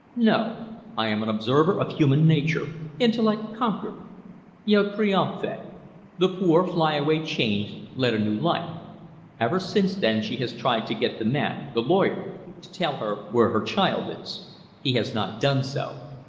No. I am an observer of human nature. Intellect conquered. 'Io triumphe'. The poor fly away changed, led a new life. Ever since then she has tried to get the man the lawyer to tell her where her child is. He has not done so.